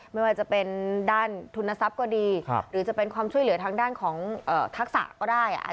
ไม่ว่าจะเป็นด้านทุนทรัพย์ก็ดีหรือจะเป็นความช่วยเหลือทางด้านของทักษะก็ได้